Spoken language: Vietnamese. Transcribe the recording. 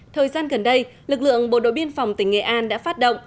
thời gian gần đây lực lượng bộ đội biên phòng tỉnh nghệ an đã phát động